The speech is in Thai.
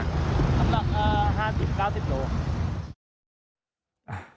น้ำหนัก๕๐๙๐กิโลกรัม